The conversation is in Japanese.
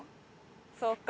そうか。